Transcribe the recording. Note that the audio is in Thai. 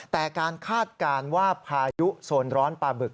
แต่การคาดการณ์ว่าพายุโซนร้อนปลาบึก